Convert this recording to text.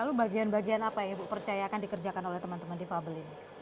lalu bagian bagian apa yang ibu percaya dikerjakan oleh teman teman di fabel ini